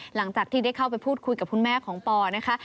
หลังจากที่ได้เข้าไปพูดคุยกับคุณแม่ของปอนะคะ